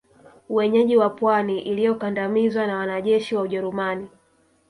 wenyeji wa pwani iliyokandamizwa na wanajeshi wa Ujerumani